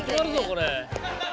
これ。